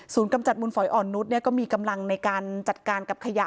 ศูนย์กำจัดมูลฝอยออนุสก็มีกำลังในการจัดการกับขยะ